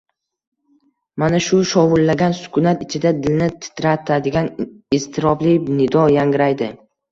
Mana shu shovullagan sukunat ichida dilni titratadigan iztirobli nido yangraydi.